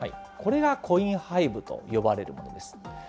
これがコインハイブと呼ばれるものです。